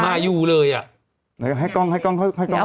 หมาอยู่เลยอ่ะให้กรองให้กรองให้กรอง